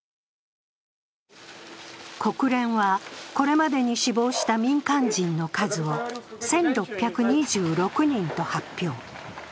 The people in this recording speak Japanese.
国連はこれまでに死亡した民間人の数を１６２６人発表。